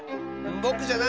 ぼくじゃないよ。